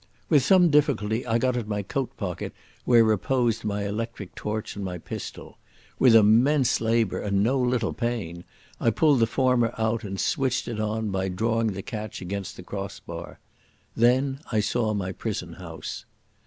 With some difficulty I got at my coat pocket where reposed my electric torch and my pistol. With immense labour and no little pain I pulled the former out and switched it on by drawing the catch against the cross bar. Then I saw my prison house.